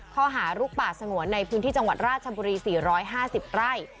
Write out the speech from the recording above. ข้อหาลุกป่าสงวนในพื้นที่จังหวัดราชบุรี๔๕๐ไร่